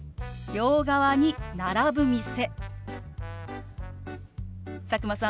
「両側に並ぶ店」。